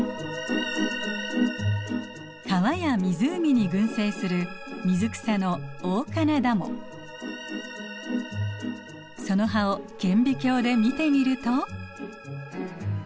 川や湖に群生する水草のその葉を顕微鏡で見てみると。